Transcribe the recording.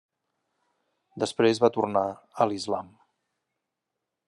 Després va tornar a l'islam.